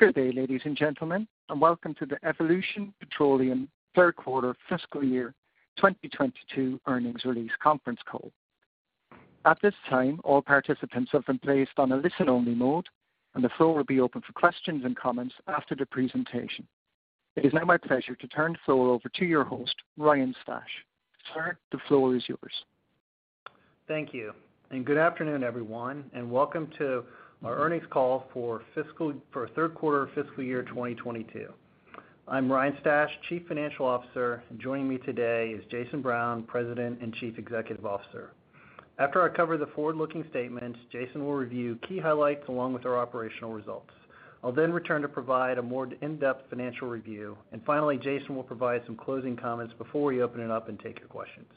Good day, ladies and gentlemen, and welcome to the Evolution Petroleum Third Quarter Fiscal Year 2022 Earnings Release Conference Call. At this time, all participants have been placed on a listen-only mode, and the floor will be open for questions and comments after the presentation. It is now my pleasure to turn the floor over to your host, Ryan Stash. Sir, the floor is yours. Thank you, and good afternoon, everyone, and welcome to our earnings call for our third quarter fiscal year 2022. I'm Ryan Stash, Chief Financial Officer, and joining me today is Jason Brown, President and Chief Executive Officer. After I cover the forward-looking statements, Jason will review key highlights along with our operational results. I'll then return to provide a more in-depth financial review, and finally, Jason will provide some closing comments before we open it up and take your questions.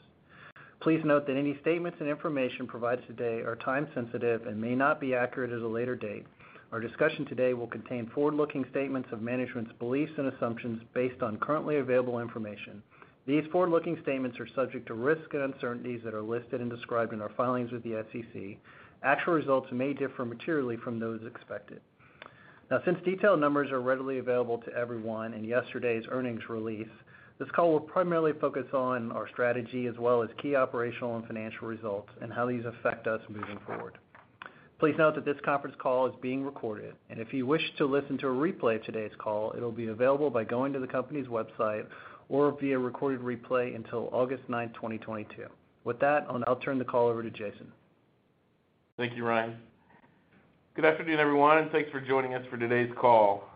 Please note that any statements and information provided today are time-sensitive and may not be accurate at a later date. Our discussion today will contain forward-looking statements of management's beliefs and assumptions based on currently available information. These forward-looking statements are subject to risks and uncertainties that are listed and described in our filings with the SEC. Actual results may differ materially from those expected. Now, since detailed numbers are readily available to everyone in yesterday's earnings release, this call will primarily focus on our strategy as well as key operational and financial results and how these affect us moving forward. Please note that this conference call is being recorded, and if you wish to listen to a replay of today's call, it'll be available by going to the company's website or via recorded replay until August 9th, 2022. With that, I'll now turn the call over to Jason. Thank you, Ryan. Good afternoon, everyone, and thanks for joining us for today's call.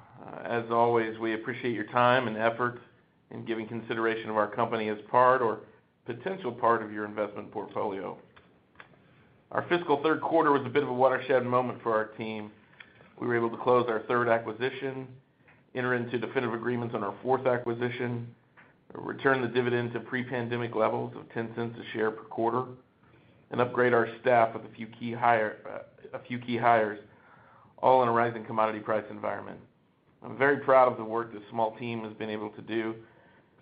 As always, we appreciate your time and effort in giving consideration of our company as part or potential part of your investment portfolio. Our fiscal third quarter was a bit of a watershed moment for our team. We were able to close our third acquisition, enter into definitive agreements on our fourth acquisition, return the dividend to pre-pandemic levels of $0.10 a share per quarter, and upgrade our staff with a few key hires, all in a rising commodity price environment. I'm very proud of the work this small team has been able to do,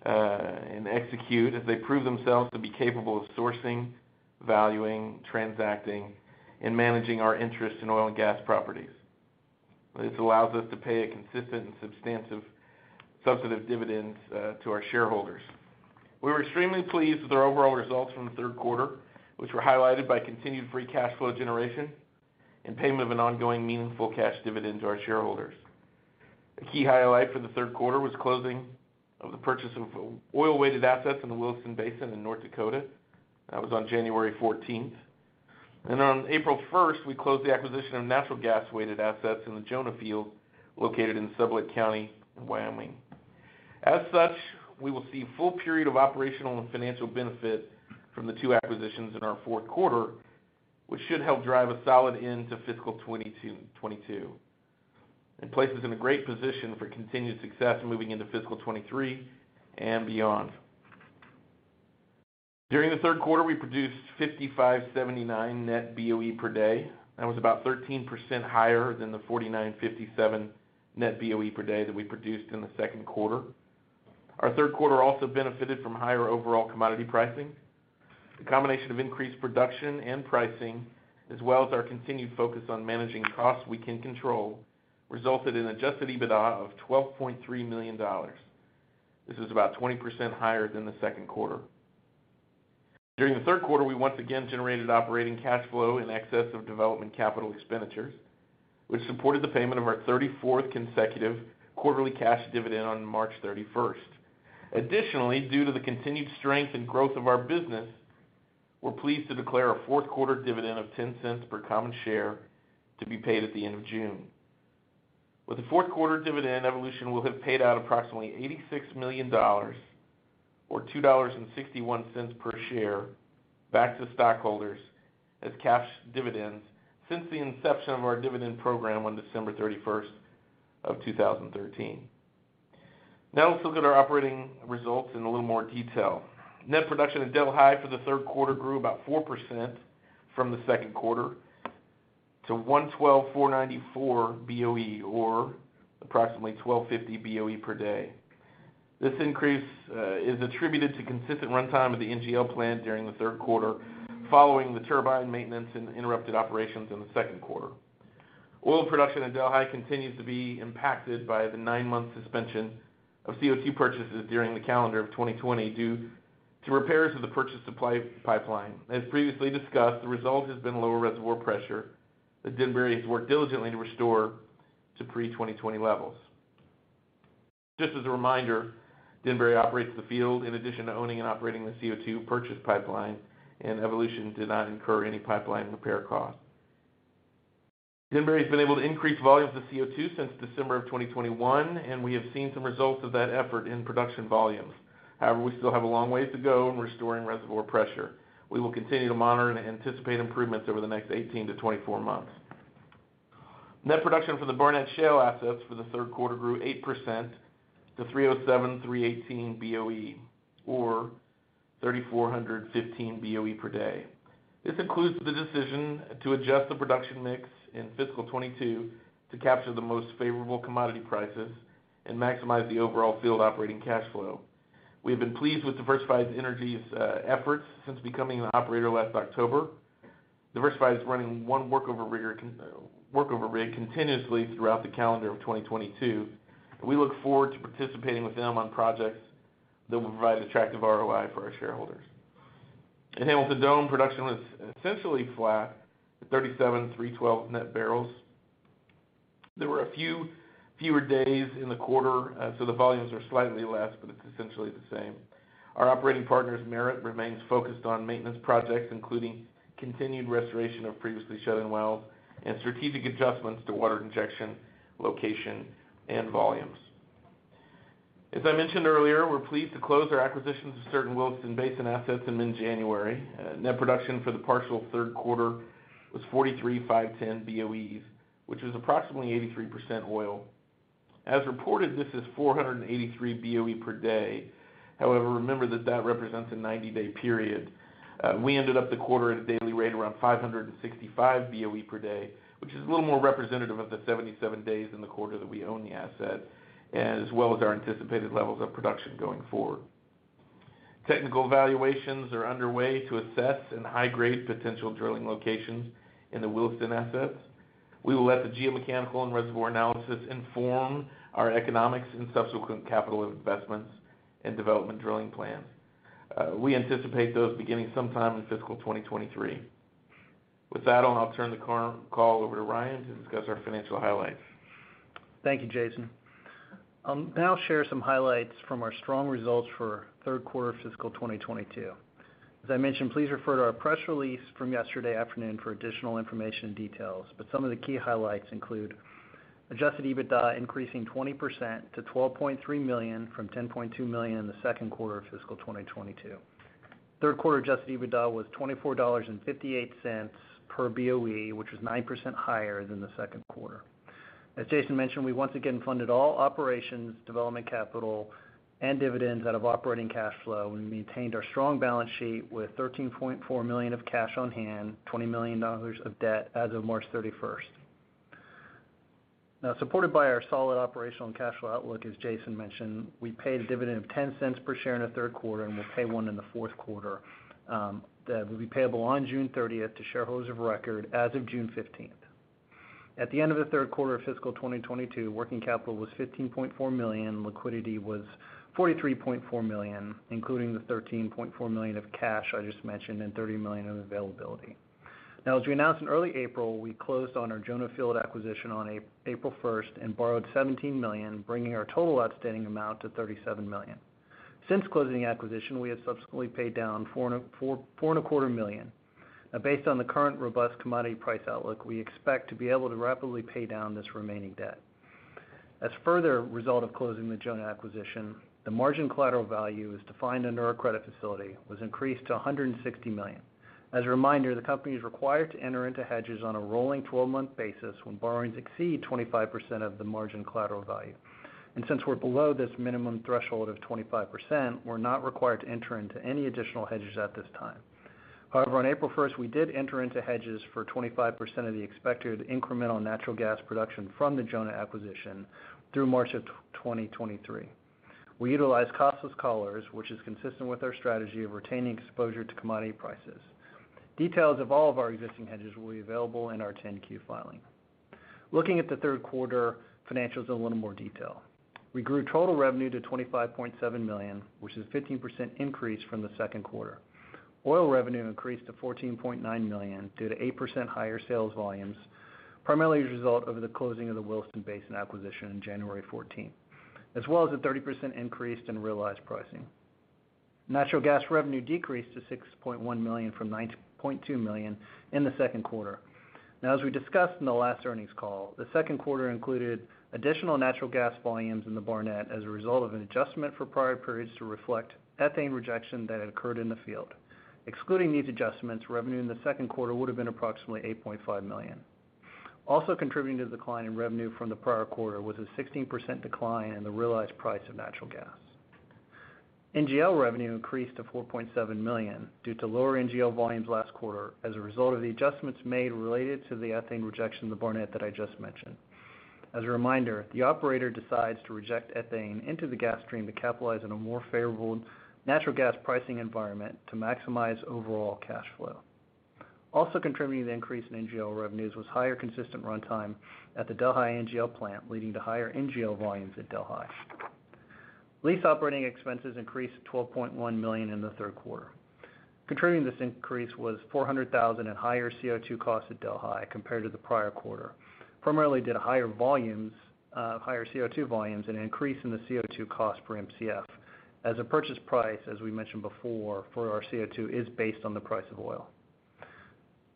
and execute as they prove themselves to be capable of sourcing, valuing, transacting, and managing our interest in oil and gas properties. This allows us to pay a consistent and substantive dividends to our shareholders. We were extremely pleased with our overall results from the third quarter, which were highlighted by continued free cash flow generation and payment of an ongoing meaningful cash dividend to our shareholders. A key highlight for the third quarter was closing of the purchase of oil-weighted assets in the Williston Basin in North Dakota. That was on January 14th. On April 1st, we closed the acquisition of natural gas-weighted assets in the Jonah Field, located in Sublette County, Wyoming. As such, we will see full period of operational and financial benefit from the two acquisitions in our fourth quarter, which should help drive a solid end to fiscal 2022, and place us in a great position for continued success moving into fiscal 2023 and beyond. During the third quarter, we produced 5,579 net BOE per day. That was about 13% higher than the 4,957 net BOE per day that we produced in the second quarter. Our third quarter also benefited from higher overall commodity pricing. The combination of increased production and pricing, as well as our continued focus on managing costs we can control, resulted in adjusted EBITDA of $12.3 million. This is about 20% higher than the second quarter. During the third quarter, we once again generated operating cash flow in excess of development capital expenditures, which supported the payment of our 34th consecutive quarterly cash dividend on March 31st. Additionally, due to the continued strength and growth of our business, we're pleased to declare a fourth quarter dividend of $0.10 per common share to be paid at the end of June. With the fourth quarter dividend, Evolution will have paid out approximately $86 million or $2.61 per share back to stockholders as cash dividends since the inception of our dividend program on December 31st, 2013. Now, let's look at our operating results in a little more detail. Net production at Delhi for the third quarter grew about 4% from the second quarter to 112,494 BOE or approximately 1,250 BOE per day. This increase is attributed to consistent runtime of the NGL plant during the third quarter, following the turbine maintenance and interrupted operations in the second quarter. Oil production at Delhi continues to be impacted by the nine-month suspension of CO2 purchases during the calendar of 2020 due to repairs of the purchase supply pipeline. As previously discussed, the result has been lower reservoir pressure that Denbury has worked diligently to restore to pre-2020 levels. Just as a reminder, Denbury operates the field in addition to owning and operating the CO2 purchase pipeline, and Evolution did not incur any pipeline repair costs. Denbury has been able to increase volumes of CO2 since December 2021, and we have seen some results of that effort in production volumes. However, we still have a long way to go in restoring reservoir pressure. We will continue to monitor and anticipate improvements over the next 18-24 months. Net production for the Barnett Shale assets for the third quarter grew 8% to 307,318 BOE or 3,415 BOE per day. This includes the decision to adjust the production mix in fiscal 2022 to capture the most favorable commodity prices and maximize the overall field operating cash flow. We have been pleased with Diversified Energy's efforts since becoming an operator last October. Diversified is running one workover rig continuously throughout the calendar of 2022. We look forward to participating with them on projects that will provide attractive ROI for our shareholders. In Hamilton Dome, production was essentially flat at 37,312 net barrels. There were a few fewer days in the quarter, so the volumes are slightly less, but it's essentially the same. Our operating partners, Merit, remains focused on maintenance projects, including continued restoration of previously shut-in wells and strategic adjustments to water injection location and volumes. As I mentioned earlier, we're pleased to close our acquisitions of certain Williston Basin assets in mid-January. Net production for the partial third quarter was 43,510 BOEs, which is approximately 83% oil. As reported, this is 483 BOE per day. However, remember that that represents a 90-day period. We ended up the quarter at a daily rate around 565 BOE per day, which is a little more representative of the 77 days in the quarter that we own the asset, as well as our anticipated levels of production going forward. Technical evaluations are underway to assess and high-grade potential drilling locations in the Williston assets. We will let the geomechanical and reservoir analysis inform our economics and subsequent capital investments and development drilling plans. We anticipate those beginning sometime in fiscal 2023. With that done, I'll turn the call over to Ryan to discuss our financial highlights. Thank you, Jason. I'll now share some highlights from our strong results for third quarter of fiscal 2022. As I mentioned, please refer to our press release from yesterday afternoon for additional information and details. Some of the key highlights include adjusted EBITDA increasing 20% to $12.3 million from $10.2 million in the second quarter of fiscal 2022. Third quarter adjusted EBITDA was $24.58 per BOE, which was 9% higher than the second quarter. As Jason mentioned, we once again funded all operations, development, capital, and dividends out of operating cash flow and maintained our strong balance sheet with $13.4 million of cash on hand, $20 million of debt as of March 31st. Now, supported by our solid operational and cash flow outlook, as Jason mentioned, we paid a dividend of $0.10 per share in the third quarter, and we'll pay one in the fourth quarter, that will be payable on June 30th to shareholders of record as of June 15th. At the end of the third quarter of fiscal 2022, working capital was $15.4 million. Liquidity was $43.4 million, including the $13.4 million of cash I just mentioned and $30 million in availability. Now, as we announced in early April, we closed on our Jonah field acquisition on April 1st and borrowed $17 million, bringing our total outstanding amount to $37 million. Since closing the acquisition, we have subsequently paid down $4.25 million. Now, based on the current robust commodity price outlook, we expect to be able to rapidly pay down this remaining debt. As a further result of closing the Jonah acquisition, the margin collateral value is defined under our credit facility, was increased to $160 million. As a reminder, the company is required to enter into hedges on a rolling twelve-month basis when borrowings exceed 25% of the margin collateral value. Since we're below this minimum threshold of 25%, we're not required to enter into any additional hedges at this time. However, on April 1st, we did enter into hedges for 25% of the expected incremental natural gas production from the Jonah acquisition through March 2023. We utilized costless collars, which is consistent with our strategy of retaining exposure to commodity prices. Details of all of our existing hedges will be available in our 10-Q filing. Looking at the third quarter financials in a little more detail. We grew total revenue to $25.7 million, which is a 15% increase from the second quarter. Oil revenue increased to $14.9 million due to 8% higher sales volumes, primarily as a result of the closing of the Williston Basin acquisition in January 14th, as well as a 30% increase in realized pricing. Natural gas revenue decreased to $6.1 million from $9.2 million in the second quarter. Now, as we discussed in the last earnings call, the second quarter included additional natural gas volumes in the Barnett as a result of an adjustment for prior periods to reflect ethane rejection that had occurred in the field. Excluding these adjustments, revenue in the second quarter would have been approximately $8.5 million. Also contributing to the decline in revenue from the prior quarter was a 16% decline in the realized price of natural gas. NGL revenue increased to $4.7 million due to lower NGL volumes last quarter as a result of the adjustments made related to the ethane rejection in the Barnett that I just mentioned. As a reminder, the operator decides to reject ethane into the gas stream to capitalize on a more favorable natural gas pricing environment to maximize overall cash flow. Also contributing to the increase in NGL revenues was higher consistent runtime at the Delhi NGL plant, leading to higher NGL volumes at Delhi. Lease operating expenses increased to $12.1 million in the third quarter. Contributing to this increase was $400,000 in higher CO2 costs at Delhi compared to the prior quarter, primarily due to higher volumes, higher CO2 volumes, and an increase in the CO2 cost per Mcf as a purchase price, as we mentioned before, for our CO2 is based on the price of oil.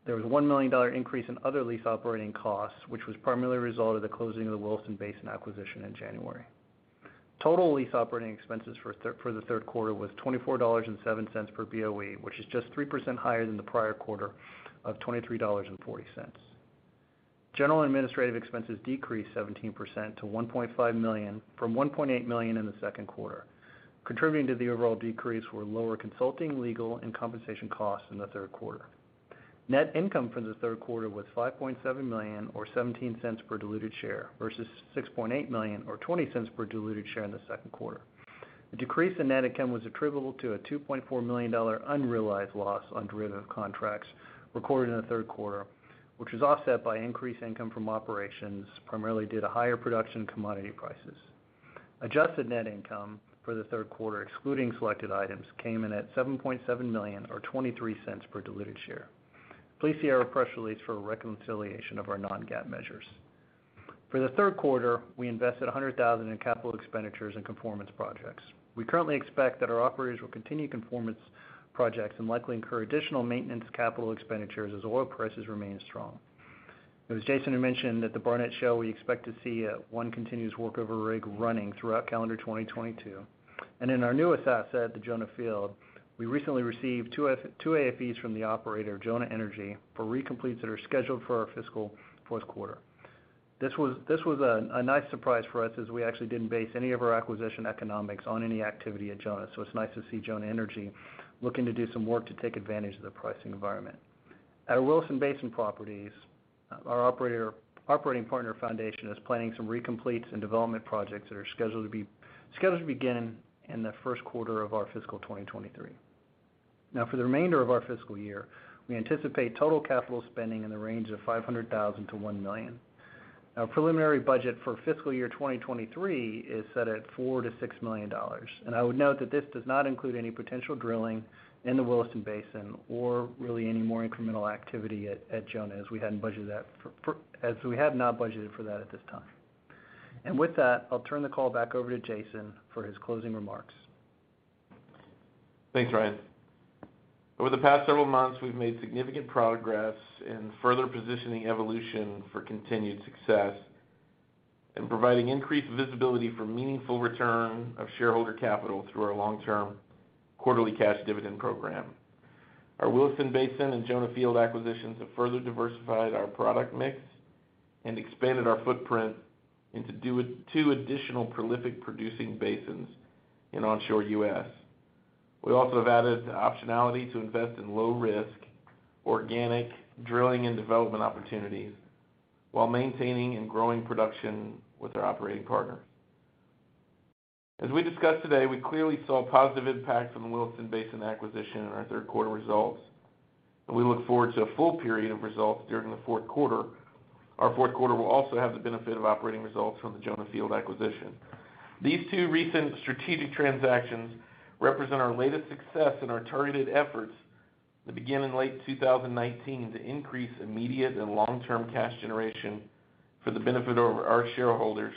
There was a $1 million increase in other lease operating costs, which was primarily a result of the closing of the Williston Basin acquisition in January. Total lease operating expenses for the third quarter was $24.07 per BOE, which is just 3% higher than the prior quarter of $23.40. General and administrative expenses decreased 17% to $1.5 million from $1.8 million in the second quarter. Contributing to the overall decrease were lower consulting, legal, and compensation costs in the third quarter. Net income from the third quarter was $5.7 million or $0.17 per diluted share versus $6.8 million or $0.20 per diluted share in the second quarter. The decrease in net income was attributable to a $2.4 million unrealized loss on derivative contracts recorded in the third quarter, which was offset by increased income from operations primarily due to higher production and commodity prices. Adjusted net income for the third quarter, excluding selected items, came in at $7.7 million or $0.23 per diluted share. Please see our press release for a reconciliation of our non-GAAP measures. For the third quarter, we invested $100,000 in capital expenditures and conformance projects. We currently expect that our operators will continue conformance projects and likely incur additional maintenance capital expenditures as oil prices remain strong. As Jason had mentioned at the Barnett Shale, we expect to see one continuous workover rig running throughout calendar 2022. In our newest asset at the Jonah Field, we recently received two AFEs from the operator, Jonah Energy, for recompletes that are scheduled for our fiscal fourth quarter. This was a nice surprise for us as we actually didn't base any of our acquisition economics on any activity at Jonah. It's nice to see Jonah Energy looking to do some work to take advantage of the pricing environment. At our Williston Basin properties, our operating partner, Foundation Energy Management, is planning some recompletes and development projects that are scheduled to begin in the first quarter of our fiscal 2023. Now, for the remainder of our fiscal year, we anticipate total capital spending in the range of $500,000-$1 million. Our preliminary budget for fiscal year 2023 is set at $4 million-$6 million. I would note that this does not include any potential drilling in the Williston Basin or really any more incremental activity at Jonah Energy, as we have not budgeted for that at this time. With that, I'll turn the call back over to Jason for his closing remarks. Thanks, Ryan. Over the past several months, we've made significant progress in further positioning Evolution for continued success and providing increased visibility for meaningful return of shareholder capital through our long-term quarterly cash dividend program. Our Williston Basin and Jonah Field acquisitions have further diversified our product mix and expanded our footprint into two additional prolific producing basins in onshore U.S. We also have added optionality to invest in low risk, organic drilling and development opportunities while maintaining and growing production with our operating partners. As we discussed today, we clearly saw positive impact from the Williston Basin acquisition in our third quarter results, and we look forward to a full period of results during the fourth quarter. Our fourth quarter will also have the benefit of operating results from the Jonah Field acquisition. These two recent strategic transactions represent our latest success in our targeted efforts that began in late 2019 to increase immediate and long-term cash generation for the benefit of our shareholders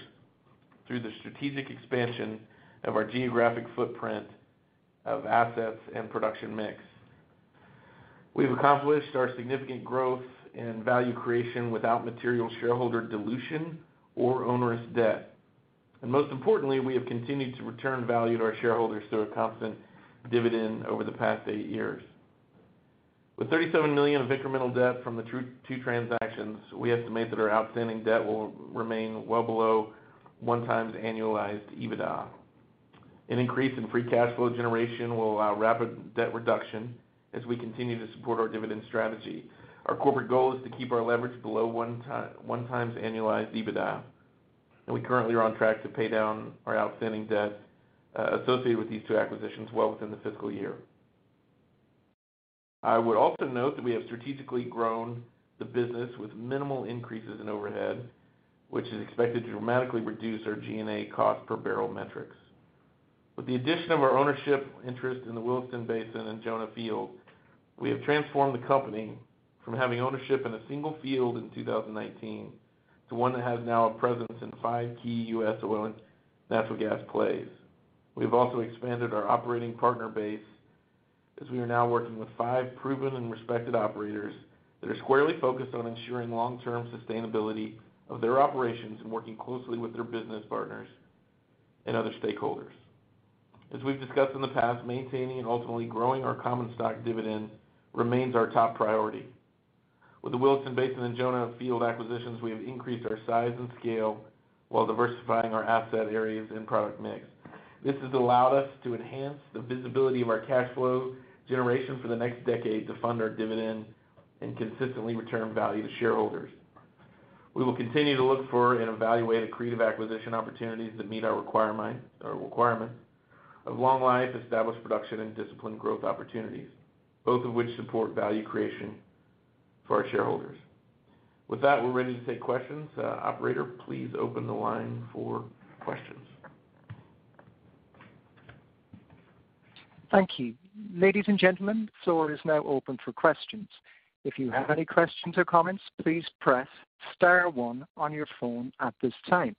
through the strategic expansion of our geographic footprint of assets and production mix. We've accomplished our significant growth and value creation without material shareholder dilution or onerous debt. Most importantly, we have continued to return value to our shareholders through a constant dividend over the past eight years. With $37 million of incremental debt from the two transactions, we estimate that our outstanding debt will remain well below 1 times annualized EBITDA. An increase in free cash flow generation will allow rapid debt reduction as we continue to support our dividend strategy. Our corporate goal is to keep our leverage below one times annualized EBITDA, and we currently are on track to pay down our outstanding debt associated with these two acquisitions well within the fiscal year. I would also note that we have strategically grown the business with minimal increases in overhead, which is expected to dramatically reduce our G&A cost per barrel metrics. With the addition of our ownership interest in the Williston Basin and Jonah Field, we have transformed the company from having ownership in a single field in 2019 to one that has now a presence in five key U.S. oil and natural gas plays. We've also expanded our operating partner base as we are now working with five proven and respected operators that are squarely focused on ensuring long-term sustainability of their operations and working closely with their business partners and other stakeholders. As we've discussed in the past, maintaining and ultimately growing our common stock dividend remains our top priority. With the Williston Basin and Jonah Field acquisitions, we have increased our size and scale while diversifying our asset areas and product mix. This has allowed us to enhance the visibility of our cash flow generation for the next decade to fund our dividend and consistently return value to shareholders. We will continue to look for and evaluate accretive acquisition opportunities that meet our requirement of long life, established production, and disciplined growth opportunities, both of which support value creation for our shareholders. With that, we're ready to take questions. Operator, please open the line for questions. Thank you. Ladies and gentlemen, floor is now open for questions. If you have any questions or comments, please press star one on your phone at this time.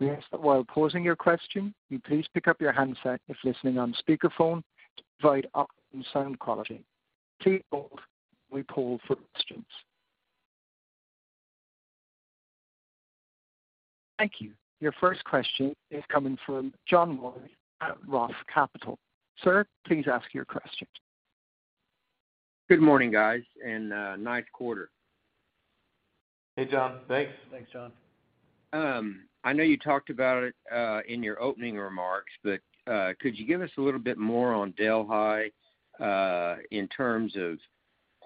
We ask that while posing your question, you please pick up your handset if listening on speakerphone to provide optimum sound quality. Please hold while we poll for questions. Thank you. Your first question is coming from John White at Roth Capital Partners. Sir, please ask your question. Good morning, guys, and nice quarter. Hey, John. Thanks. Thanks, John. I know you talked about it in your opening remarks, but could you give us a little bit more on Delhi in terms of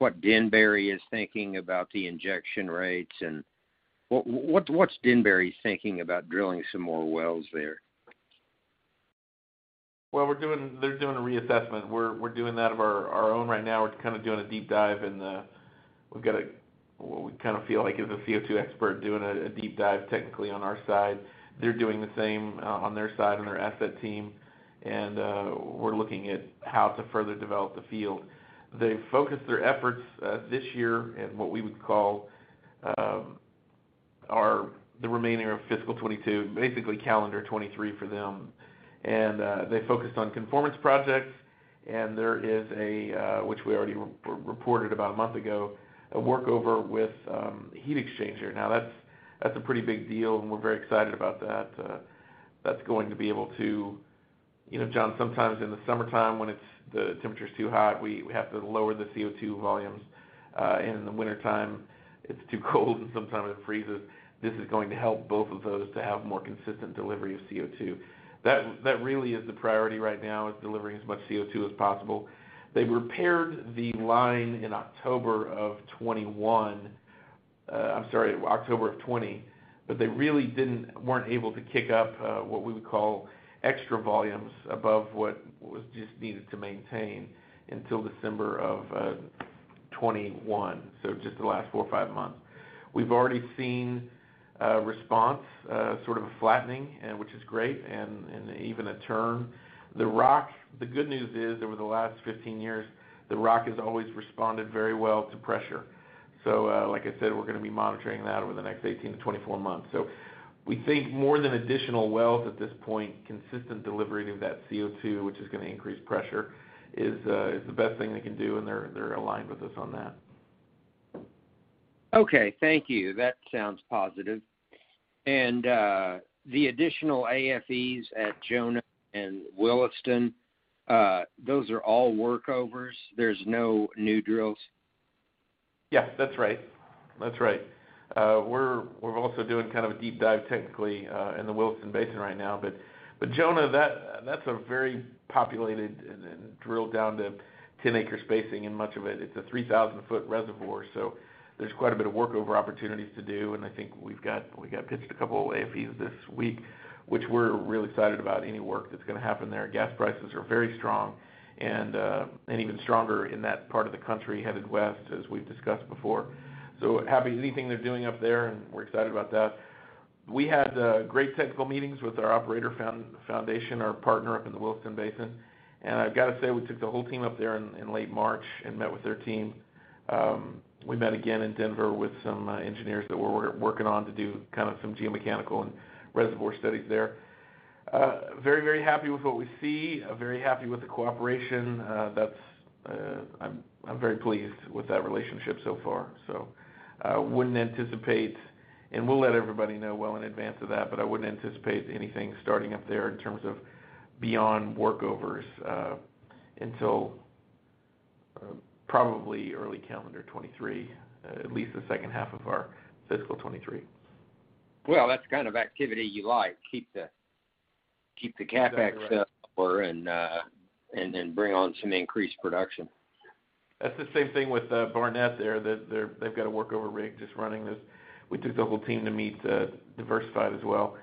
what Denbury is thinking about the injection rates and? What's Denbury thinking about drilling some more wells there? Well, they're doing a reassessment. We're doing that of our own right now. We're kind of doing a deep dive, and we've got what we kind of feel like is a CO2 expert doing a deep dive technically on our side. They're doing the same on their side, on their asset team. We're looking at how to further develop the field. They focused their efforts this year in what we would call the remaining of fiscal 2022, basically calendar 2023 for them. They focused on conformance projects, and there is a which we already re-reported about a month ago, a workover with heat exchanger. Now that's a pretty big deal, and we're very excited about that. That's going to be able to. You know, John, sometimes in the summertime when the temperature's too hot, we have to lower the CO2 volumes. In the wintertime it's too cold, and sometimes it freezes. This is going to help both of those to have more consistent delivery of CO2. That really is the priority right now is delivering as much CO2 as possible. They repaired the line in October of 2020, but they really weren't able to kick up what we would call extra volumes above what was just needed to maintain until December of 2021, so just the last four or five months. We've already seen a response, sort of a flattening, which is great, and even a turn. The rock, the good news is, over the last 15 years, the rock has always responded very well to pressure. Like I said, we're gonna be monitoring that over the next 18-24 months. We think more than additional wells at this point, consistent delivery of that CO2, which is gonna increase pressure, is the best thing they can do, and they're aligned with us on that. Okay. Thank you. That sounds positive. The additional AFEs at Jonah and Williston, those are all workovers? There's no new drills? Yes, that's right. We're also doing kind of a deep dive technically in the Williston Basin right now. Jonah, that's a very populated and drilled down to 10-acre spacing in much of it. It's a 3,000-foot reservoir, so there's quite a bit of workover opportunities to do. I think we got pitched a couple of AFEs this week, which we're really excited about any work that's gonna happen there. Gas prices are very strong and even stronger in that part of the country headed west, as we've discussed before. Happy with anything they're doing up there, and we're excited about that. We had great technical meetings with our operator Foundation, our partner up in the Williston Basin. I've got to say, we took the whole team up there in late March and met with their team. We met again in Denver with some engineers that we're working on to do kind of some geomechanical and reservoir studies there. Very happy with what we see. Very happy with the cooperation. That's, I'm very pleased with that relationship so far. Wouldn't anticipate, and we'll let everybody know well in advance of that, but I wouldn't anticipate anything starting up there in terms of beyond workovers, until probably early calendar 2023, at least the second half of our fiscal 2023. Well, that's the kind of activity you like. Keep the CapEx lower and then bring on some increased production. That's the same thing with Barnett there. They've got a workover rig just running this. We took the whole team to meet Diversified as well.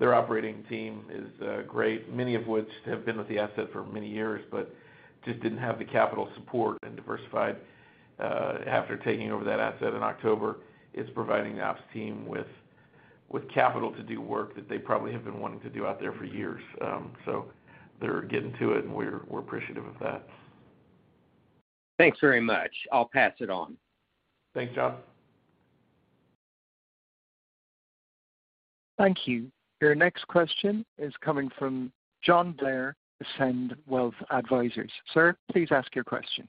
Their operating team is great, many of which have been with the asset for many years but just didn't have the capital support. Diversified, after taking over that asset in October, is providing the ops team with capital to do work that they probably have been wanting to do out there for years. They're getting to it, and we're appreciative of that. Thanks very much. I'll pass it on. Thanks, John. Thank you. Your next question is coming from John Bair, Ascend Wealth Advisors. Sir, please ask your question.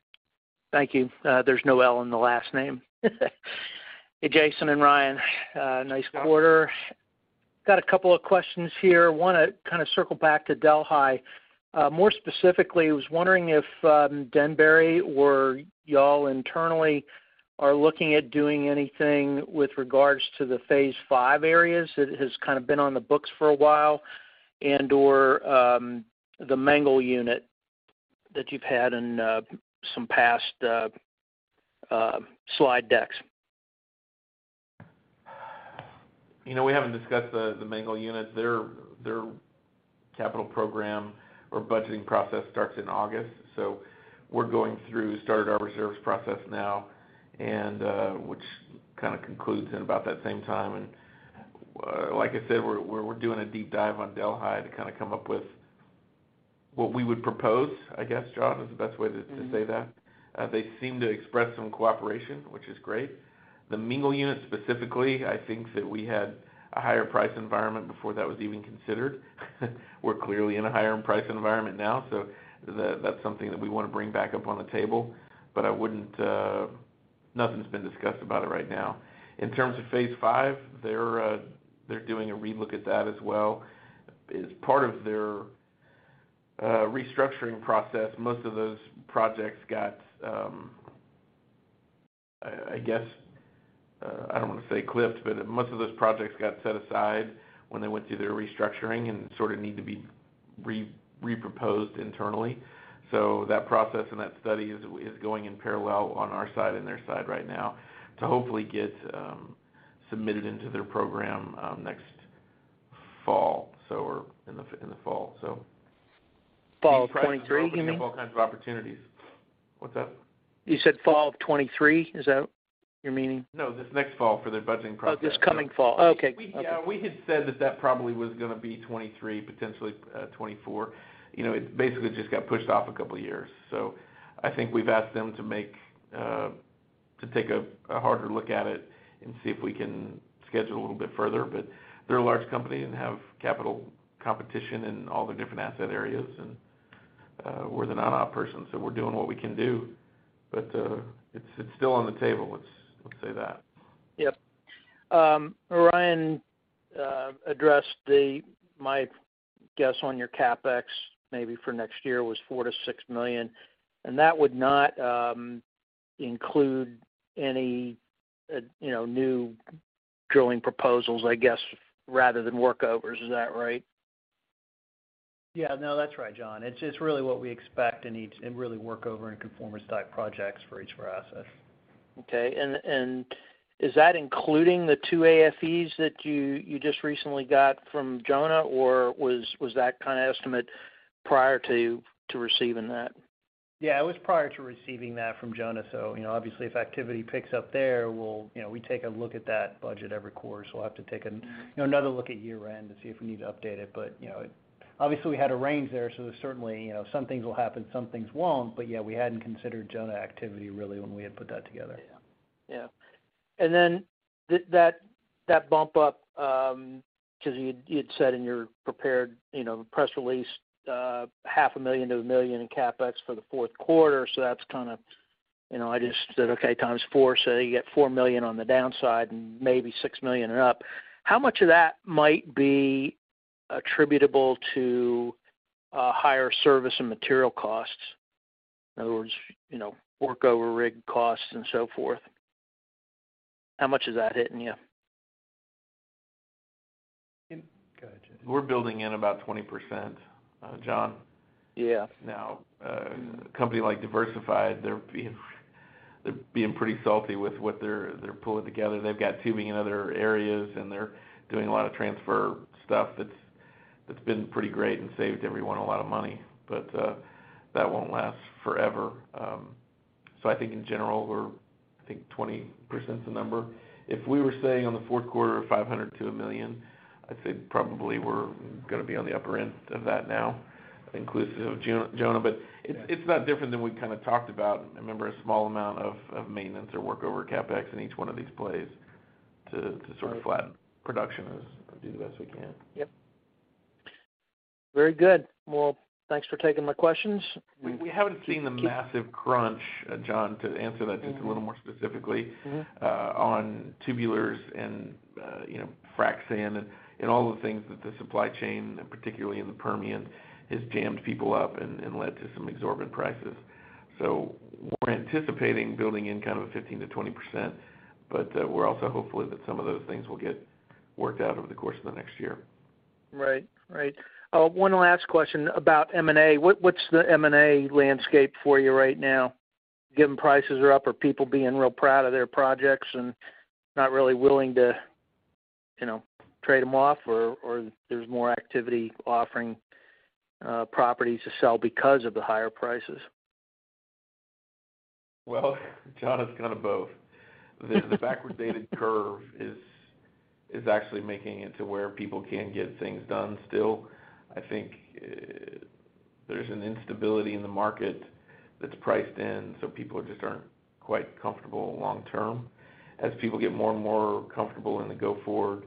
Thank you. There's no L in the last name. Hey, Jason and Ryan. Nice quarter. Got a couple of questions here. Wanna kind of circle back to Delhi. More specifically, I was wondering if Denbury or y'all internally are looking at doing anything with regards to the phase five areas. It has kind of been on the books for a while and/or the Mengel unit that you've had in some past slide decks. You know, we haven't discussed the Mengel unit. Their capital program or budgeting process starts in August. We're going through start of our reserves process now and which kind of concludes in about that same time. Like I said, we're doing a deep dive on Delhi to kind of come up with what we would propose, I guess, John, is the best way to say that. They seem to express some cooperation, which is great. The Mengel unit specifically, I think that we had a higher price environment before that was even considered. We're clearly in a higher price environment now, so that's something that we wanna bring back up on the table. But I wouldn't. Nothing's been discussed about it right now. In terms of Phase Five, they're doing a relook at that as well. As part of their restructuring process, most of those projects got, I guess, I don't wanna say clipped, but most of those projects got set aside when they went through their restructuring and sort of need to be re-proposed internally. That process and that study is going in parallel on our side and their side right now to hopefully get submitted into their program next fall. We're in the final in the fall. Fall of 2023, you mean? These prices are opening up all kinds of opportunities. What's that? You said fall of 2023. Is that your meaning? No, this next fall for their budgeting process. Oh, this coming fall. Okay. Yeah. We had said that probably was gonna be 2023, potentially, 2024. You know, it basically just got pushed off a couple years. I think we've asked them to make to take a harder look at it and see if we can schedule a little bit further. They're a large company and have capital competition in all the different asset areas, and we're the non-op person, so we're doing what we can do. It's still on the table. Let's say that. Yep. Ryan addressed my guess on your CapEx maybe for next year was $4 million-$6 million, and that would not include any, you know, new drilling proposals, I guess, rather than workovers. Is that right? Yeah. No, that's right, John. It's really what we expect in each, and really workover and conformance type projects for each of our assets. Okay. Is that including the two AFEs that you just recently got from Jonah, or was that kind of estimate prior to receiving that? Yeah, it was prior to receiving that from Jonah. You know, obviously, if activity picks up there, we'll, you know, we take a look at that budget every quarter, so we'll have to take an, you know, another look at year-end to see if we need to update it. You know, it. Obviously, we had a range there, so there's certainly, you know, some things will happen, some things won't. Yeah, we hadn't considered Jonah activity really when we had put that together. Yeah. Yeah. That bump up, 'cause you'd said in your prepared, you know, press release, $ 500,000 to $1 million in CapEx for the fourth quarter. That's kinda, you know, I just said, okay, times four, so you get $4 million on the downside and maybe $6 million and up. How much of that might be attributable to higher service and material costs? In other words, you know, workover rig costs and so forth. How much is that hitting you? We're building in about 20%, John. Yeah. Now, a company like Diversified, they're being pretty salty with what they're pulling together. They've got tubing in other areas, and they're doing a lot of transfer stuff that's been pretty great and saved everyone a lot of money. That won't last forever. I think in general, 20%'s the number. If we were saying on the fourth quarter of $500,000-$1 million, I'd say probably we're gonna be on the upper end of that now, inclusive of Jonah. It's not different than we've kinda talked about. Remember, a small amount of maintenance or workover CapEx in each one of these plays to sort of flatten production as we do the best we can. Yep. Very good. Well, thanks for taking my questions. We haven't seen the massive crunch, John, to answer that just a little more specifically. Mm-hmm. On tubulars and, you know, frac sand and all the things that the supply chain, particularly in the Permian, has jammed people up and led to some exorbitant prices. We're anticipating building in kind of a 15%-20%, but we're also hopeful that some of those things will get worked out over the course of the next year. Right. One last question about M&A. What's the M&A landscape for you right now, given prices are up? Are people being real proud of their projects and not really willing to, you know, trade them off? Or there's more activity offering properties to sell because of the higher prices? Well, John, it's kinda both. The backwardated curve is actually making it to where people can get things done still. I think there's an instability in the market that's priced in, so people just aren't quite comfortable long term. As people get more and more comfortable in the go forward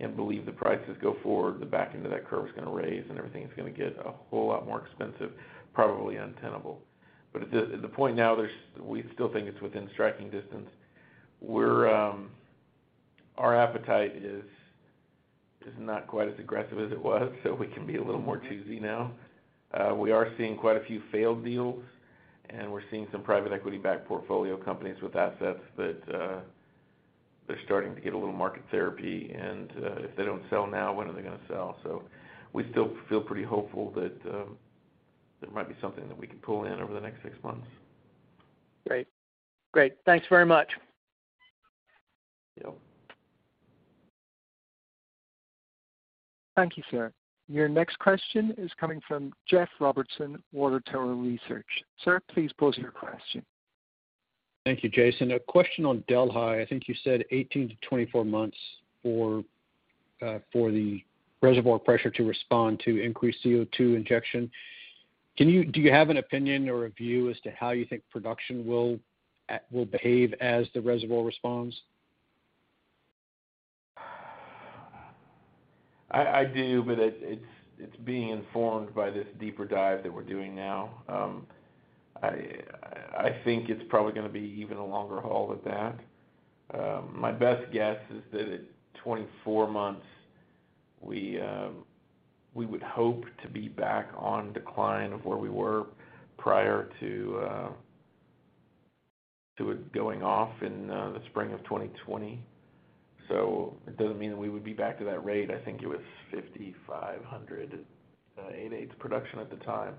and believe the prices go forward, the back end of that curve is gonna rise, and everything's gonna get a whole lot more expensive, probably untenable. At the point now, we still think it's within striking distance. Our appetite is not quite as aggressive as it was, so we can be a little more choosy now. We are seeing quite a few failed deals, and we're seeing some private equity backed portfolio companies with assets that they're starting to get a little market therapy, and if they don't sell now, when are they gonna sell? We still feel pretty hopeful that there might be something that we can pull in over the next six months. Great. Thanks very much. Yep. Thank you, sir. Your next question is coming from Jeff Robertson, Water Tower Research. Sir, please pose your question. Thank you, Jason. A question on Delhi. I think you said 18-24 months for the reservoir pressure to respond to increased CO2 injection. Do you have an opinion or a view as to how you think production will behave as the reservoir responds? I do, but it's being informed by this deeper dive that we're doing now. I think it's probably gonna be even a longer haul than that. My best guess is that at 24 months, we would hope to be back on decline of where we were prior to it going off in the spring of 2020. It doesn't mean that we would be back to that rate. I think it was 5,500 at EPM's production at the time.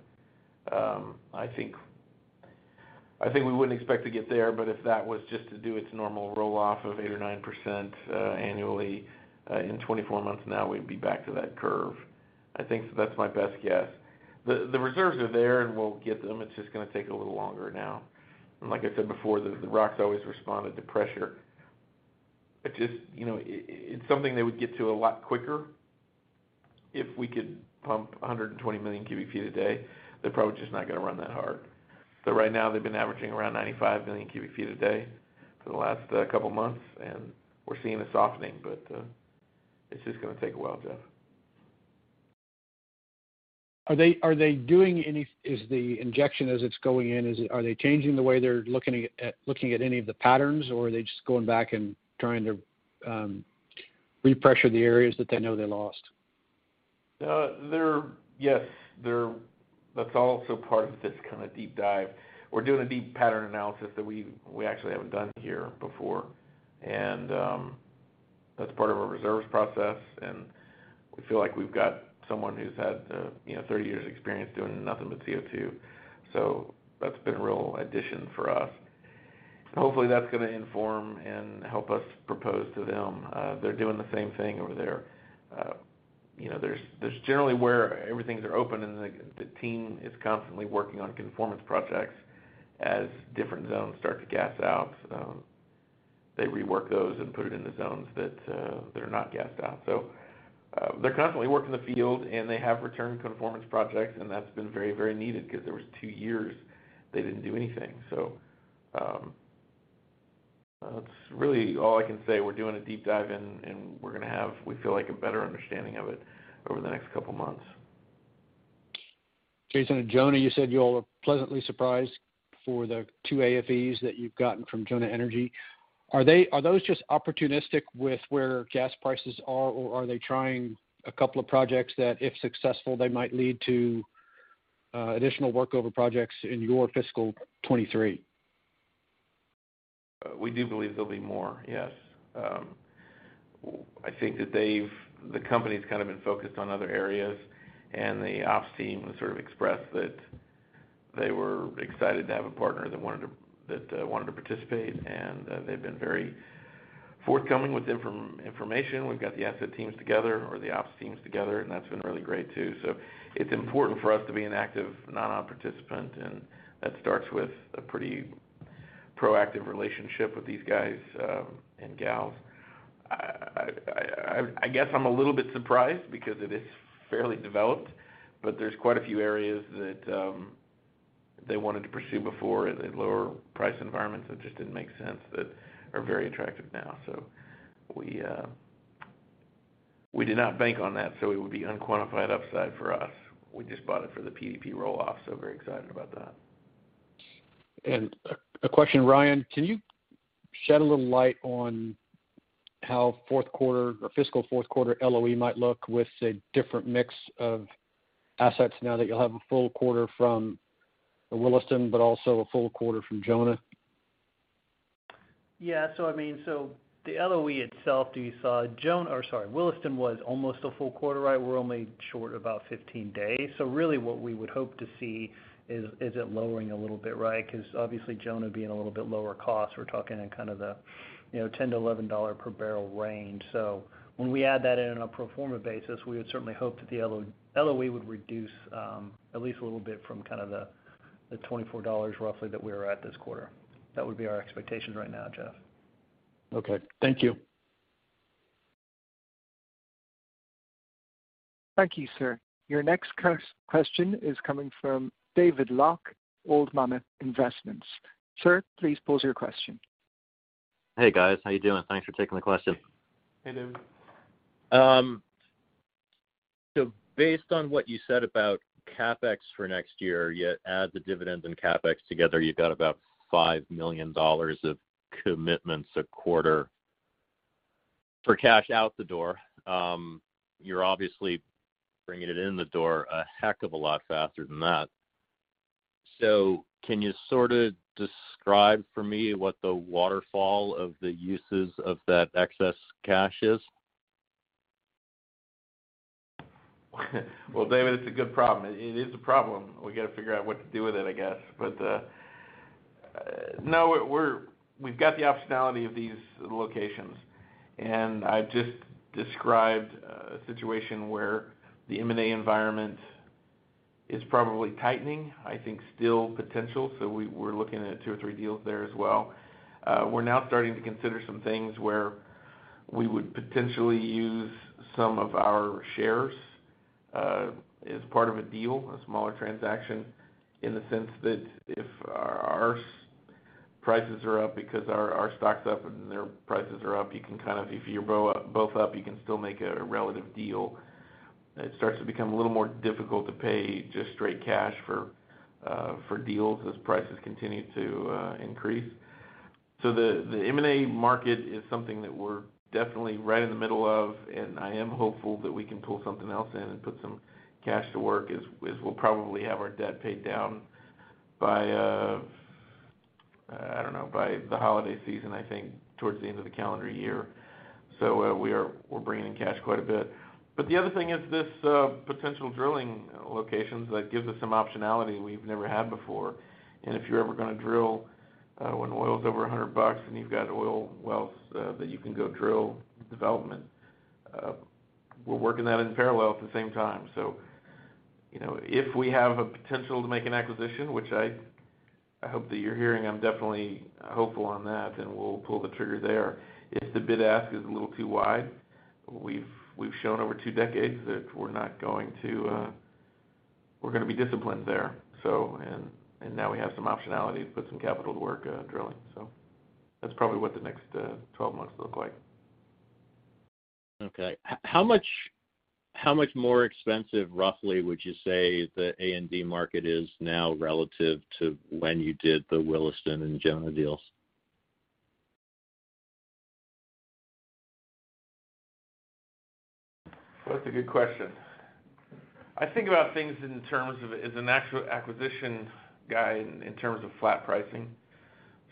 I think we wouldn't expect to get there, but if that was just to do its normal roll-off of 8% or 9%, annually, in 24 months now, we'd be back to that curve. I think that's my best guess. The reserves are there, and we'll get them. It's just gonna take a little longer now. Like I said before, the rocks always responded to pressure. It just, you know, it's something they would get to a lot quicker if we could pump 120 million cubic feet a day. They're probably just not gonna run that hard. Right now, they've been averaging around 95 million cubic feet a day for the last couple months, and we're seeing a softening, but it's just gonna take a while, Jeff. Is the injection as it's going in, are they changing the way they're looking at any of the patterns, or are they just going back and trying to re-pressure the areas that they know they lost? Yes. That's also part of this kind of deep dive. We're doing a deep pattern analysis that we actually haven't done here before. That's part of our reserves process, and we feel like we've got someone who's had, you know, 30 years experience doing nothing but CO2. That's been a real addition for us. Hopefully, that's gonna inform and help us propose to them. They're doing the same thing over there. You know, there's generally where everything is open, and the team is constantly working on conformance projects as different zones start to gas out. They rework those and put it in the zones that are not gassed out. They're constantly working the field, and they have re-conformance projects, and that's been very, very needed because there was two years they didn't do anything. That's really all I can say. We're doing a deep dive, and we're gonna have, we feel like, a better understanding of it over the next couple of months. Jason and Jonah, you said you all are pleasantly surprised for the two AFEs that you've gotten from Jonah Energy. Are those just opportunistic with where gas prices are, or are they trying a couple of projects that, if successful, they might lead to additional workover projects in your fiscal 2023? We do believe there'll be more, yes. I think that they've. The company's kind of been focused on other areas, and the ops team has sort of expressed that they were excited to have a partner that wanted to participate, and they've been very forthcoming with information. We've got the asset teams together or the ops teams together, and that's been really great too. It's important for us to be an active non-op participant, and that starts with a pretty proactive relationship with these guys and gals. I guess I'm a little bit surprised because it is fairly developed, but there's quite a few areas that they wanted to pursue before at a lower price environment, so it just didn't make sense, that are very attractive now. We did not bank on that, so it would be unquantified upside for us. We just bought it for the PDP roll-off, so very excited about that. Question, Ryan, can you shed a little light on how fourth quarter or fiscal fourth quarter LOE might look with a different mix of assets now that you'll have a full quarter from the Williston but also a full quarter from Jonah? Yeah. I mean, the LOE itself, you saw Williston was almost a full quarter, right? We're only short about 15 days. Really what we would hope to see is it lowering a little bit, right? 'Cause obviously, Jonah being a little bit lower cost, we're talking in kind of the, you know, $10-$11 per barrel range. When we add that in on a pro forma basis, we would certainly hope that the LOE would reduce, at least a little bit from kind of the $24 roughly that we were at this quarter. That would be our expectations right now, Jeff. Okay. Thank you. Thank you, sir. Your next question is coming from David Locke, Old Mammoth Investments. Sir, please pose your question. Hey, guys. How you doing? Thanks for taking the question. Hey, David. Based on what you said about CapEx for next year, you add the dividends and CapEx together, you've got about $5 million of commitments a quarter for cash out the door. You're obviously bringing it in the door a heck of a lot faster than that. Can you sort of describe for me what the waterfall of the uses of that excess cash is? Well, David, it's a good problem. It is a problem. We gotta figure out what to do with it, I guess. No, we've got the optionality of these locations. I just described a situation where the M&A environment is probably tightening. I think still potential, so we're looking at two or three deals there as well. We're now starting to consider some things where we would potentially use some of our shares as part of a deal, a smaller transaction, in the sense that if our prices are up because our stock's up and their prices are up, you can kind of if you're both up, you can still make a relative deal. It starts to become a little more difficult to pay just straight cash for deals as prices continue to increase. The M&A market is something that we're definitely right in the middle of, and I am hopeful that we can pull something else in and put some cash to work as we'll probably have our debt paid down by, I don't know, by the holiday season, I think towards the end of the calendar year. We're bringing in cash quite a bit. The other thing is this potential drilling locations that gives us some optionality we've never had before. If you're ever gonna drill, when oil's over $100 and you've got oil wells that you can go drill development, we're working that in parallel at the same time. You know, if we have a potential to make an acquisition, which I hope that you're hearing, I'm definitely hopeful on that, then we'll pull the trigger there. If the bid ask is a little too wide, we've shown over two decades that we're not going to. We're gonna be disciplined there. And now we have some optionality to put some capital to work drilling. That's probably what the next 12 months look like. Okay. How much more expensive roughly would you say the A&D market is now relative to when you did the Williston and Jonah deals? That's a good question. I think about things in terms of as an acquisition guy in terms of flat pricing.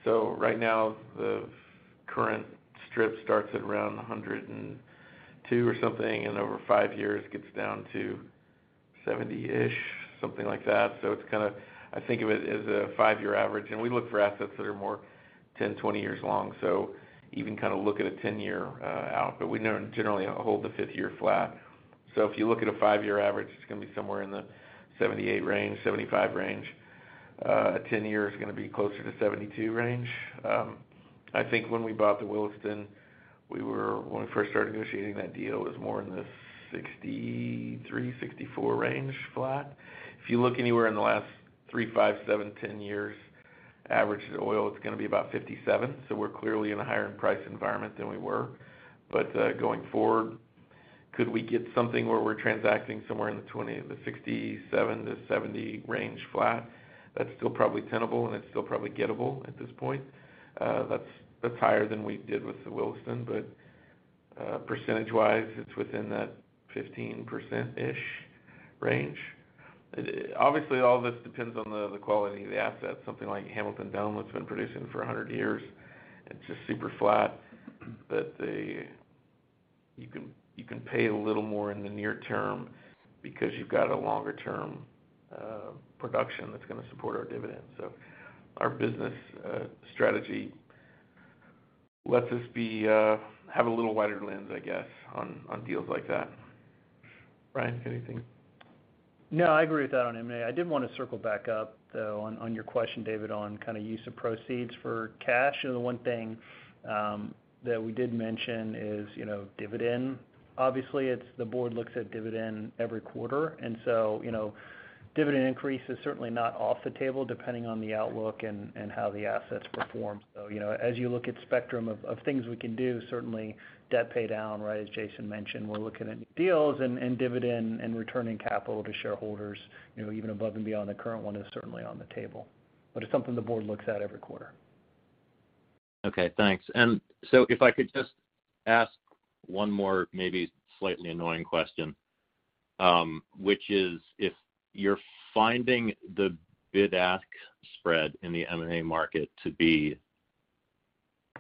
Right now the current strip starts at around $102 or something, and over five years gets down to $70-ish, something like that. It's kinda I think of it as a five-year average, and we look for assets that are more 10, 20 years long. Even kinda look at a 10-year out, but we know generally hold the fifth year flat. If you look at a five-year average, it's gonna be somewhere in the $78 range, $75 range. Ten years is gonna be closer to $72 range. I think when we bought the Williston, when we first started negotiating that deal, it was more in the $63, $64 range flat. If you look anywhere in the last three, five, seven, 10 years average oil, it's gonna be about $57. We're clearly in a higher price environment than we were. Going forward, could we get something where we're transacting somewhere in the $67-$70 range flat? That's still probably tenable, and it's still probably gettable at this point. That's higher than we did with the Williston, but percentage-wise, it's within that 15%-ish range. Obviously, all this depends on the quality of the asset. Something like Hamilton Dome that's been producing for 100 years, it's just super flat. You can pay a little more in the near term because you've got a longer term production that's gonna support our dividends. Our business strategy lets us have a little wider lens, I guess, on deals like that. Ryan, anything? No, I agree with that on M&A. I did wanna circle back up, though, on your question, David, on kinda use of proceeds for cash. You know, the one thing that we did mention is, you know, dividend. Obviously, it's the board looks at dividend every quarter, and so, you know, dividend increase is certainly not off the table depending on the outlook and how the assets perform. You know, as you look at spectrum of things we can do, certainly debt pay down, right? As Jason mentioned, we're looking at new deals and dividend and returning capital to shareholders, you know, even above and beyond the current one is certainly on the table. It's something the board looks at every quarter. Okay, thanks. If I could just ask one more maybe slightly annoying question, which is, if you're finding the bid-ask spread in the M&A market to be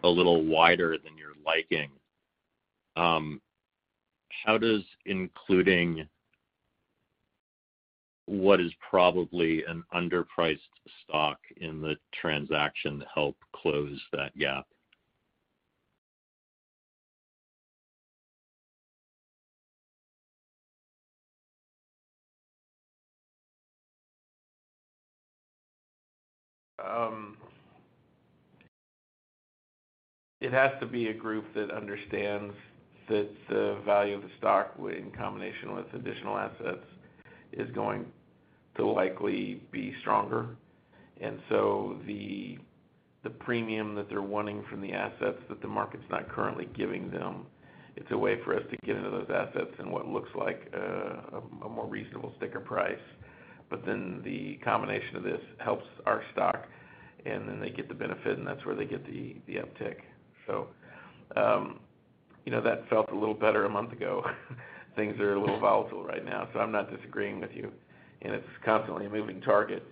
a little wider than you're liking, how does including what is probably an underpriced stock in the transaction help close that gap? It has to be a group that understands that the value of the stock in combination with additional assets is going to likely be stronger. The premium that they're wanting from the assets that the market's not currently giving them, it's a way for us to get into those assets in what looks like a more reasonable sticker price. The combination of this helps our stock, and then they get the benefit, and that's where they get the uptick. You know, that felt a little better a month ago. Things are a little volatile right now, so I'm not disagreeing with you, and it's constantly a moving target.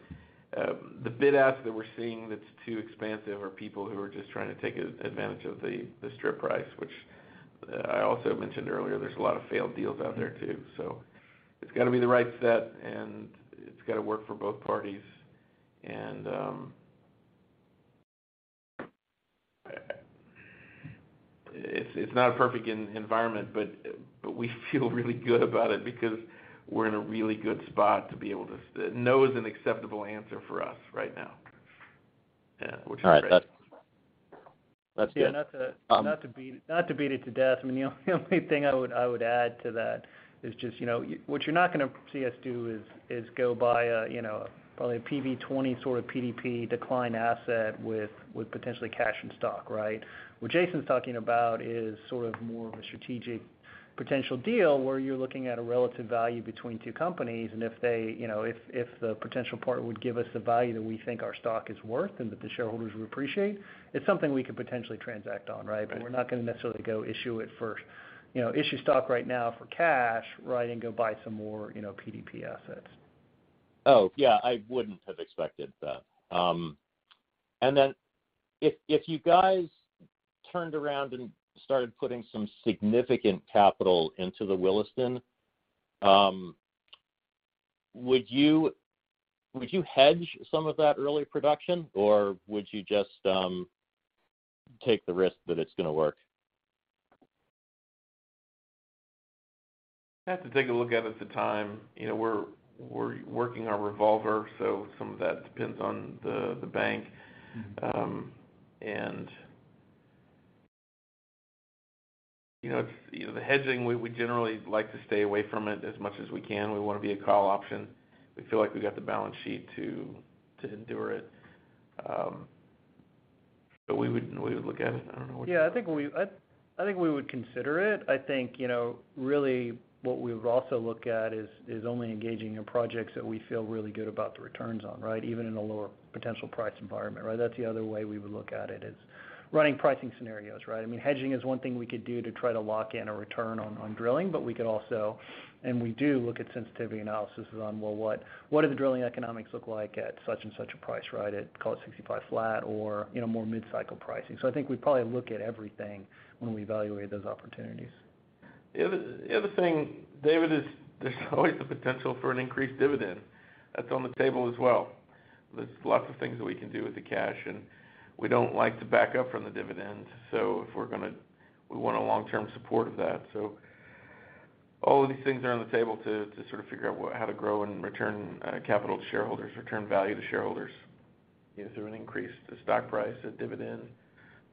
The bid-ask that we're seeing that's too expensive are people who are just trying to take advantage of the strip price, which I also mentioned earlier, there's a lot of failed deals out there too. It's gotta be the right asset, and it's gotta work for both parties. It's not a perfect environment, but we feel really good about it because we're in a really good spot to be able to. No is an acceptable answer for us right now. Yeah, which is great. All right. That's good. Yeah. Not to beat it to death, I mean, the only thing I would add to that is just, you know, what you're not gonna see us do is go buy a, you know, probably a PV-20 sort of PDP decline asset with potentially cash and stock, right? What Jason's talking about is sort of more of a strategic potential deal where you're looking at a relative value between two companies, and if, you know, if the potential partner would give us the value that we think our stock is worth and that the shareholders would appreciate, it's something we could potentially transact on, right? We're not gonna necessarily go issue stock right now for cash, right, and go buy some more, you know, PDP assets. Oh, yeah, I wouldn't have expected that. If you guys turned around and started putting some significant capital into the Williston, would you hedge some of that early production, or would you just take the risk that it's gonna work? I have to take a look at it at the time. We're working our revolver, so some of that depends on the bank. The hedging, we generally like to stay away from it as much as we can. We wanna be a call option. We feel like we got the balance sheet to endure it. We would look at it. I don't know what. Yeah, I think we would consider it. I think, you know, really what we would also look at is only engaging in projects that we feel really good about the returns on, right? Even in a lower potential price environment, right? That's the other way we would look at it, is running pricing scenarios, right? I mean, hedging is one thing we could do to try to lock in a return on drilling, but we could also, and we do look at sensitivity analysis on, well, what do the drilling economics look like at such and such a price, right, at call it $65 flat or, you know, more mid-cycle pricing. I think we probably look at everything when we evaluate those opportunities. The other thing, David, is there's always the potential for an increased dividend. That's on the table as well. There's lots of things that we can do with the cash, and we don't like to back up from the dividend. If we're gonna, we want a long-term support of that. All of these things are on the table to sort of figure out what, how to grow and return capital to shareholders, return value to shareholders either through an increase to stock price, a dividend,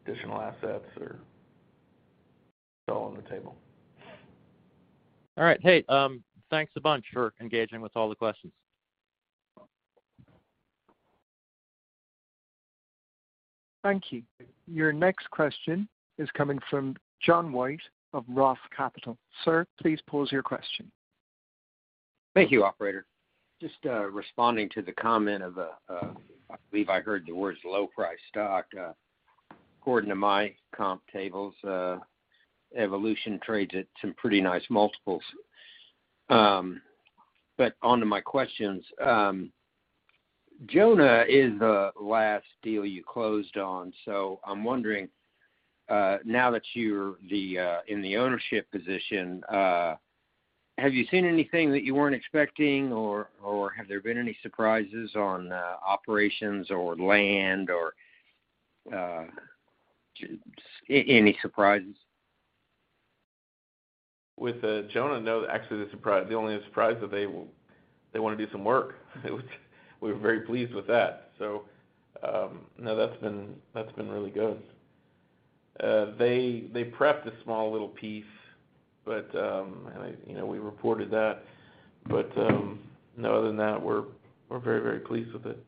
additional assets or. It's all on the table. All right. Hey, thanks a bunch for engaging with all the questions. Thank you. Your next question is coming from John White of Roth Capital Partners. Sir, please pose your question. Thank you, operator. Just responding to the comment of, I believe I heard the words low price stock. According to my comp tables, Evolution trades at some pretty nice multiples. Onto my questions. Jonah is the last deal you closed on, so I'm wondering, now that you're in the ownership position, have you seen anything that you weren't expecting or have there been any surprises on operations or land or any surprises? With Jonah? No, actually the only surprise that they wanna do some work. We were very pleased with that. No, that's been really good. They prepped a small little piece, but and I, you know, we reported that. No other than that, we're very, very pleased with it.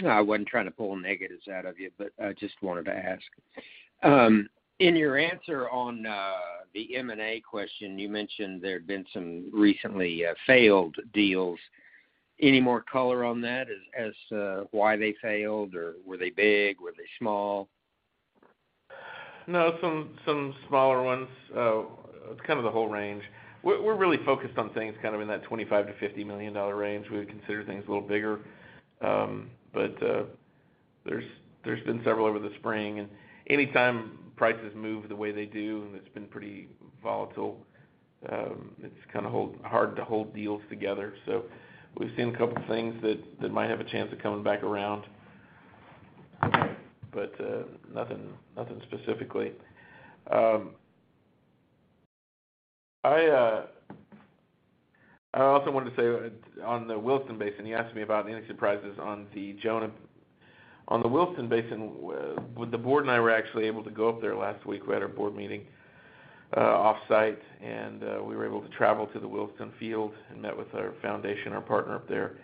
No, I wasn't trying to pull negatives out of you, but I just wanted to ask. In your answer on the M&A question, you mentioned there had been some recently failed deals. Any more color on that as to why they failed, or were they big? Were they small? No, some smaller ones. It's kind of the whole range. We're really focused on things kind of in that $25-$50 million range. We would consider things a little bigger. But there's been several over the spring, and anytime prices move the way they do, and it's been pretty volatile, it's hard to hold deals together. So we've seen a couple things that might have a chance of coming back around, but nothing specifically. I also wanted to say on the Williston Basin, you asked me about any surprises on the Jonah. On the Williston Basin, with the board and I were actually able to go up there last week. We had our board meeting offsite, and we were able to travel to the Williston field and met with our Foundation, our partner up there.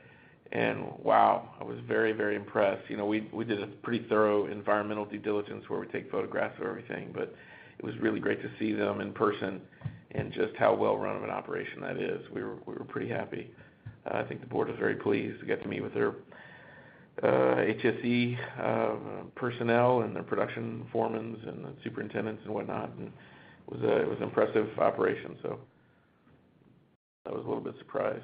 Wow, I was very, very impressed. You know, we did a pretty thorough environmental due diligence where we take photographs of everything, but it was really great to see them in person and just how well run of an operation that is. We were pretty happy. I think the board was very pleased to get to meet with their HSE personnel and their production foremen and the superintendents and whatnot, and it was an impressive operation, so I was a little bit surprised.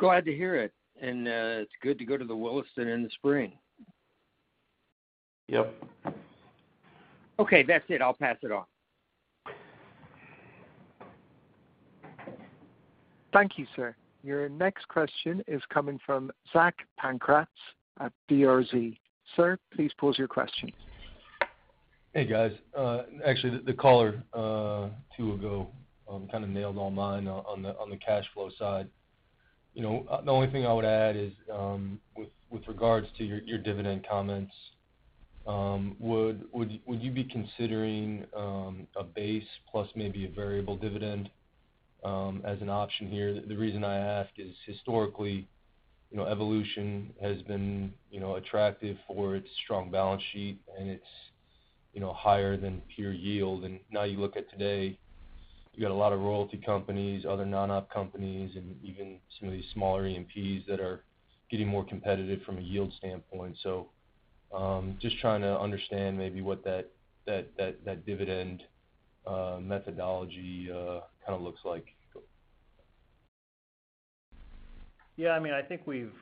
Glad to hear it. It's good to go to the Williston in the spring. Yep. Okay. That's it. I'll pass it off. Thank you, sir. Your next question is coming from Zach Pancratz at DRZ. Sir, please pose your question. Hey, guys. Actually the caller two ago kind of nailed all mine on the cash flow side. You know, the only thing I would add is with regards to your dividend comments, would you be considering a base plus maybe a variable dividend as an option here? The reason I ask is historically, you know, Evolution has been, you know, attractive for its strong balance sheet, and it's, you know, higher than pure yield. Now you look at today, you got a lot of royalty companies, other non-op companies, and even some of these smaller E&Ps that are getting more competitive from a yield standpoint. Just trying to understand maybe what that dividend methodology kind of looks like. Yeah, I mean, I think we've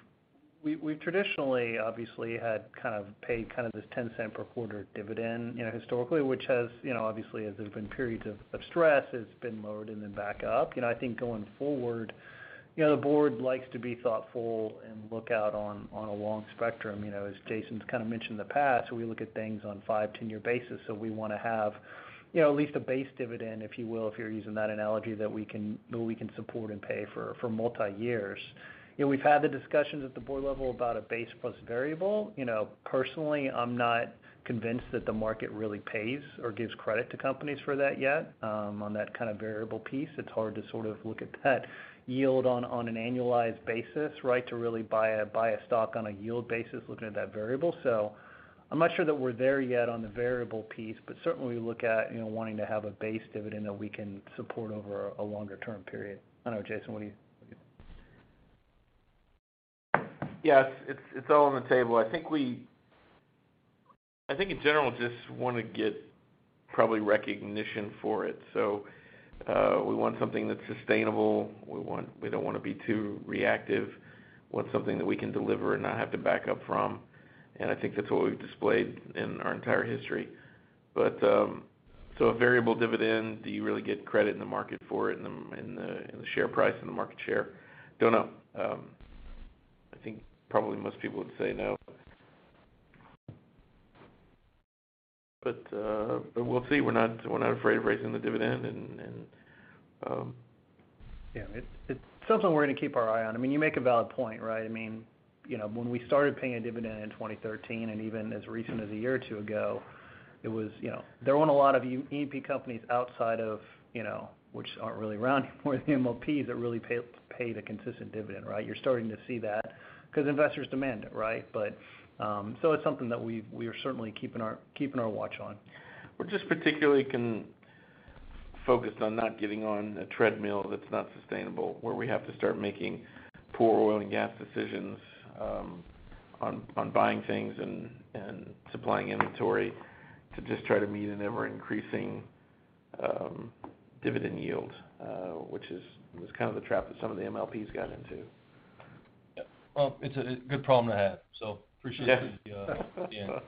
traditionally obviously had kind of paid kind of this $0.10 per quarter dividend, you know, historically, which has, you know, obviously, as there's been periods of stress, it's been lowered and then back up. You know, I think going forward, you know, the board likes to be thoughtful and look out on a long spectrum. You know, as Jason's kind of mentioned in the past, we look at things on five-, 10-year basis. We wanna have, you know, at least a base dividend, if you will, if you're using that analogy, that we can support and pay for multi years. You know, we've had the discussions at the board level about a base plus variable. You know, personally, I'm not convinced that the market really pays or gives credit to companies for that yet, on that kind of variable piece. It's hard to sort of look at that yield on an annualized basis, right? To really buy a stock on a yield basis looking at that variable. I'm not sure that we're there yet on the variable piece, but certainly we look at, you know, wanting to have a base dividend that we can support over a longer term period. I don't know. Jason, what do you Yes, it's all on the table. I think in general just wanna get probably recognition for it. We want something that's sustainable. We don't wanna be too reactive. We want something that we can deliver and not have to back up from. I think that's what we've displayed in our entire history. A variable dividend, do you really get credit in the market for it, in the share price and the market share? Don't know. I think probably most people would say no. We'll see. We're not afraid of raising the dividend and. Yeah. It's something we're gonna keep our eye on. I mean, you make a valid point, right? I mean, you know, when we started paying a dividend in 2013 and even as recently as a year or two ago, it was, you know. There weren't a lot of E&P companies outside of, you know, which aren't really around anymore, the MLPs, that really pay the consistent dividend, right? You're starting to see that because investors demand it, right? It's something that we are certainly keeping our watch on. We're just particularly focused on not getting on a treadmill that's not sustainable, where we have to start making poor oil and gas decisions, on buying things and supplying inventory to just try to meet an ever-increasing dividend yield, which was kind of the trap that some of the MLPs got into. Yeah. Well, it's a good problem to have, so appreciate the, Yeah. The input.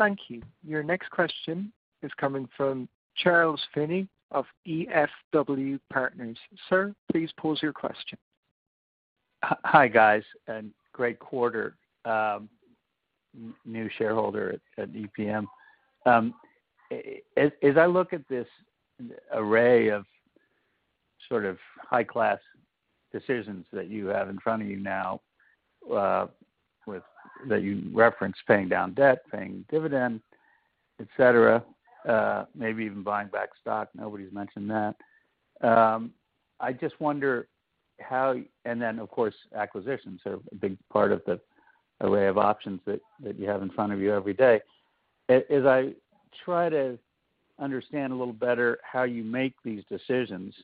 Thank you. Your next question is coming from Charles Finnie of EFW Partners. Sir, please pose your question. Hi, guys, and great quarter. New shareholder at EPM. As I look at this array of sort of high-class decisions that you have in front of you now, with that you referenced, paying down debt, paying dividend, et cetera, maybe even buying back stock. Nobody's mentioned that. I just wonder how. Of course, acquisitions are a big part of the array of options that you have in front of you every day. As I try to understand a little better how you make these decisions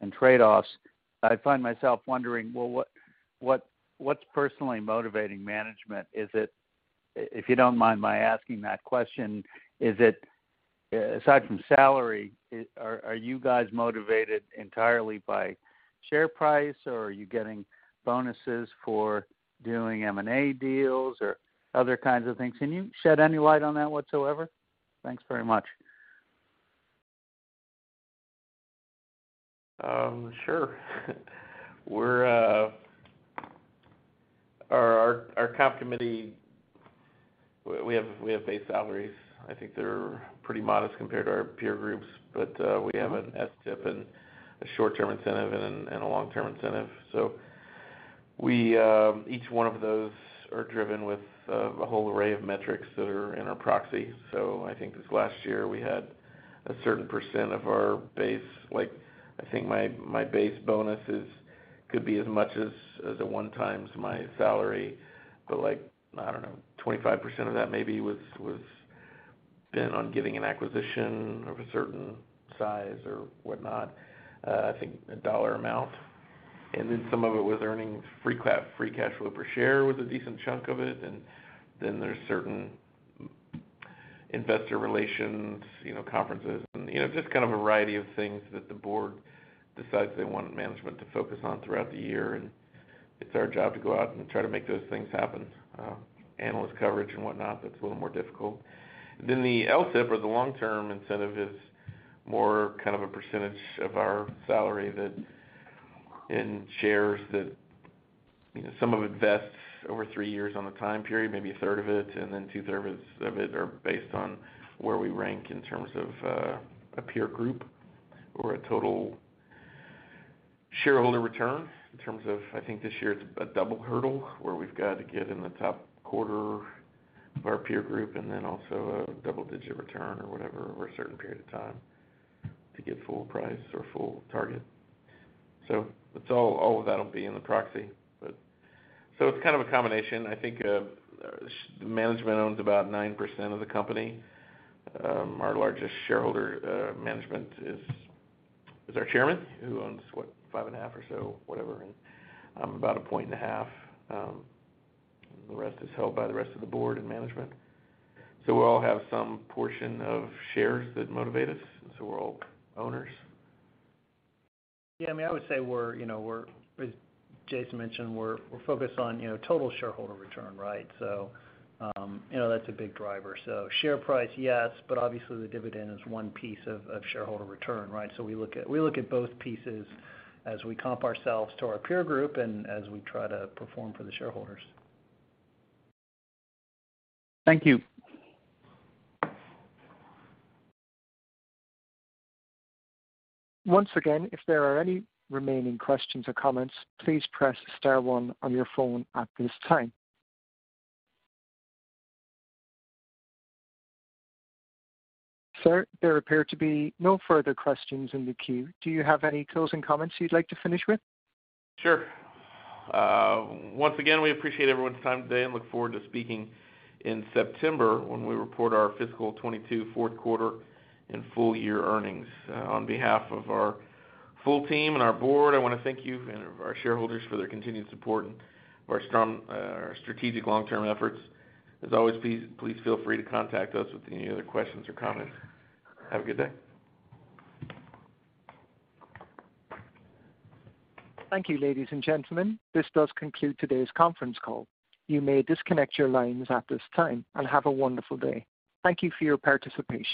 and trade-offs, I find myself wondering, well, what's personally motivating management? If you don't mind my asking that question, is it, aside from salary, are you guys motivated entirely by share price or are you getting bonuses for doing M&A deals or other kinds of things? Can you shed any light on that whatsoever? Thanks very much. Sure. Our comp committee, we have base salaries. I think they're pretty modest compared to our peer groups. We have an STIP and a short-term incentive and a long-term incentive. We each one of those are driven with a whole array of metrics that are in our proxy. I think this last year we had a certain percent of our base. Like, I think my base bonus could be as much as a 1x my salary, but like, I don't know, 25% of that maybe was spent on getting an acquisition of a certain size or whatnot. I think a dollar amount. Then some of it was earning free cash flow per share was a decent chunk of it. Then there's certain investor relations, you know, conferences and, you know, just kind of a variety of things that the board decides they want management to focus on throughout the year. It's our job to go out and try to make those things happen. Analyst coverage and whatnot, that's a little more difficult. The LTIP or the long-term incentive is more kind of a percentage of our salary that in shares that, you know, some of it vests over three years on the time period, maybe a third of it, and then two-thirds of it are based on where we rank in terms of, a peer group or a total shareholder return in terms of. I think this year it's a double hurdle where we've got to get in the top quarter of our peer group and then also a double-digit return or whatever over a certain period of time to get full price or full target. It's all of that'll be in the proxy, but it's kind of a combination. I think management owns about 9% of the company. Our largest shareholder, management, is our chairman, who owns, what? 5.5% or so, whatever. I'm about 1.5%. The rest is held by the rest of the board and management. We all have some portion of shares that motivate us, and so we're all owners. Yeah. I mean, I would say we're, as Jason mentioned, we're focused on, you know, total shareholder return, right? So, you know, that's a big driver. So share price, yes, but obviously the dividend is one piece of shareholder return, right? So we look at both pieces as we comp ourselves to our peer group and as we try to perform for the shareholders. Thank you. Once again, if there are any remaining questions or comments, please press star one on your phone at this time. Sir, there appear to be no further questions in the queue. Do you have any closing comments you'd like to finish with? Sure. Once again, we appreciate everyone's time today and look forward to speaking in September when we report our fiscal 2022 fourth quarter and full year earnings. On behalf of our full team and our board, I wanna thank you and our shareholders for their continued support of our strong, strategic long-term efforts. As always, please feel free to contact us with any other questions or comments. Have a good day. Thank you, ladies and gentlemen. This does conclude today's conference call. You may disconnect your lines at this time, and have a wonderful day. Thank you for your participation.